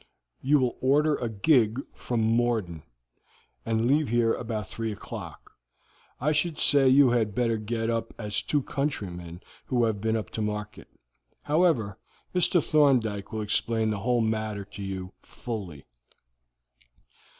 You will order a gig from Morden, and leave here about three o'clock. I should say you had better get up as two countrymen who have been up to market. However, Mr. Thorndyke will explain the whole matter to you fully."